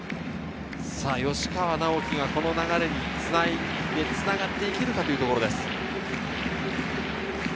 吉川尚輝がこの流れに繋がっていけるかというところです。